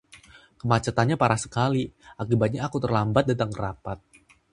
Kemacetannya parah sekali, akibatnya aku terlambat datang ke rapat.